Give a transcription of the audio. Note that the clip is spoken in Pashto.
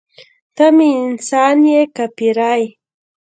ته مې انسان یې که پیری.